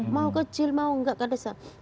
mau kecil mau enggak kata saya